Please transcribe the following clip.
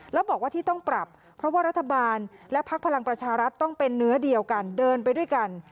แล้วบอกว่าที่ต้องปรับเพราะว่ารัฐบาลและพักพลังประชารัฐต้องเป็นเนื้อเดียวกันเดินไปด้วยกัน